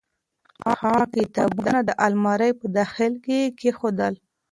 هغې کتابونه د المارۍ په داخل کې کېښودل.